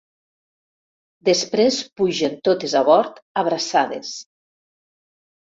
Després pugen totes a bord, abraçades.